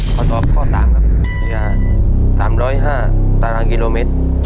ขอโทษครับข้อ๓๓๐๕ตรกิโลมิตร